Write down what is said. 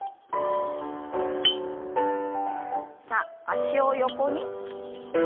さあ脚を横に。